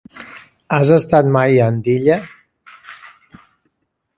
Has estat mai a Andilla?